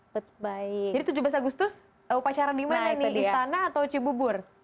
jadi tujuh belas agustus upacara dimana nih istana atau cibubur